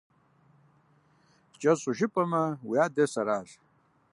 КӀэщӀу жыпӀэмэ, уи адэр сэращ…